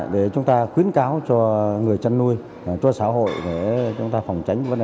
để chúng ta khuyến cáo cho người chăn nuôi cho xã hội để chúng ta phòng tránh vấn đề